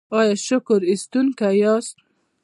ایا شکر ایستونکي یاست؟